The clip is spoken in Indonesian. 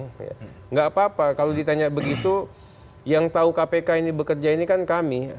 tidak apa apa kalau ditanya begitu yang tahu kpk ini bekerja ini kan kami